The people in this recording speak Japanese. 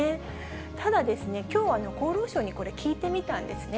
ただ、きょうは厚労省にこれ、聞いてみたんですね。